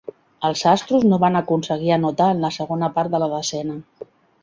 Els Astros no van aconseguir anotar en la segona part de la desena.